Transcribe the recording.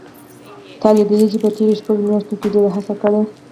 تا لیدلي چې په تېرو شپږو میاشتو کې ډېرو هڅه کړې